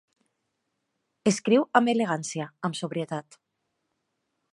Escriu amb elegància, amb sobrietat.